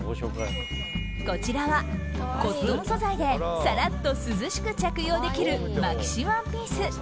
こちらは、コットン素材でさらっと涼しく着用できるマキシワンピース。